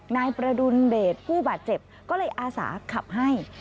นายประดุลเดชผู้บาดเจ็บก็เลยอาสาขับให้